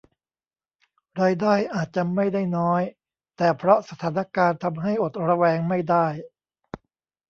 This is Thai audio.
รายได้อาจจะไม่ได้น้อย แต่เพราะสถานการณ์ทำให้อดระแวงไม่ได้